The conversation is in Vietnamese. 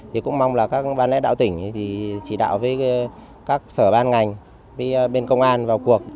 thì cũng mong là các ban lẽ đạo tỉnh chỉ đạo với các sở ban ngành với bên công an vào cuộc